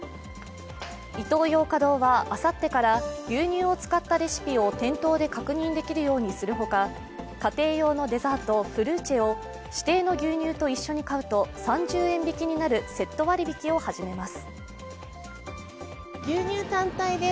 イトーヨーカドーはあさってから牛乳を使ったレシピを店頭で確認できるようにするほか家庭用のデザート、フルーチェを指定の牛乳と一緒に買うと３０円引きになるセット割り引きを始めます。